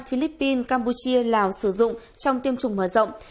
philippines campuchia lào sử dụng trong tiêm chủng mở rộng